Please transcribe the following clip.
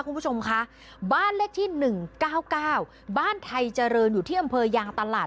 คุณผู้ชมค่ะบ้านเลขที่หนึ่งเก้าเก้าบ้านไทยเจริญอยู่ที่อำเภยางตลาด